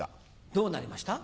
どうなりました？